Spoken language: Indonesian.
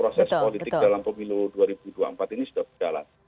proses politik dalam pemilu dua ribu dua puluh empat ini sudah berjalan